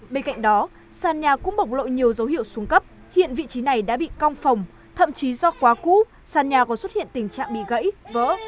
bên cạnh đó sàn nhà cũng bộc lộ nhiều dấu hiệu xuống cấp hiện vị trí này đã bị cong phòng thậm chí do quá cũ sàn nhà còn xuất hiện tình trạng bị gãy vỡ